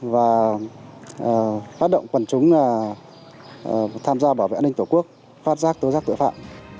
và phát động quần chúng tham gia bảo vệ an ninh tổ quốc phát giác tố giác tội phạm